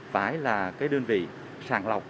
phải là cái đơn vị sàng lọc